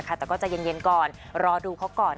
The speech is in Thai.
จะเย็นก่อนเดี๋ยวอาจรอดูเค้าก่อน